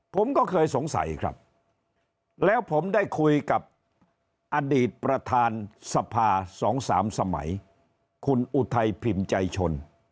ผมก็เคยสงสัยครับแล้วผมได้คุยกับอดีตประธานสภา๒๓สมัยคุณอุทัยพิมพ์ใจชน